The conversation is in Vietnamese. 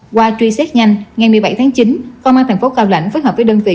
qua truy xét nhanh ngày một mươi bảy tháng chín công an thành phố cao lãnh phối hợp với đơn vị